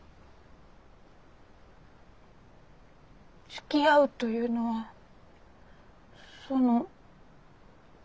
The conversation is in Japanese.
つきあうというのはその。